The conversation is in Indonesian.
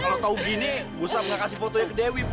kalo tau gini gustaf gak kasih fotonya ke dewi bu